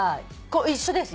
一緒です